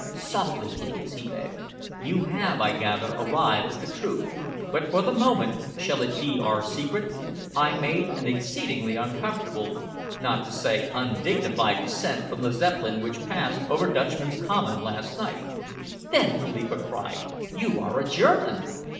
"Softly, please," he begged. "You have, I gather, arrived at the truth, but for the moment shall it be our secret? I made an exceedingly uncomfortable, not to say undignified descent from the Zeppelin which passed over Dutchman's Common last night." "Then," Philippa cried, "you are a German!"